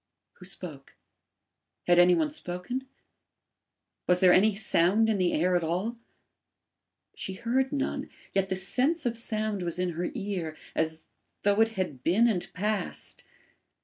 Who spoke? Had any one spoken? Was there any sound in the air at all? She heard none, yet the sense of sound was in her ear, as though it had been and passed.